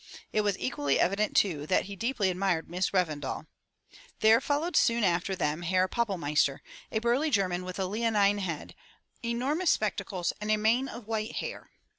It was equally evident, too, that he deeply admired Miss Revendal. There followed soon after them Herr Pappel meister, a burly German with a leonine head, enormous spectacles, and a mane of white hair.